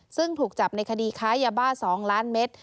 ซึ่งถูกจับในคดีค้ายาบ้า๒ล้านเมตร